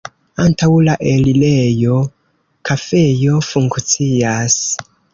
Antaŭ la elirejo kafejo funkcias.